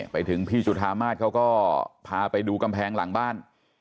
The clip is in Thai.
ไปถึงพี่จุธามาศเขาก็พาไปดูกำแพงหลังบ้าน